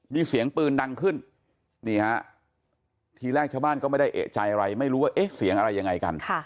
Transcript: มีเสียงปืนดังขึ้นนี่ฮะทีแรกชาวบ้านก็ไม่ได้เอกใจอะไรไม่รู้ว่าเอ๊ะเสียงอะไรยังไงกัน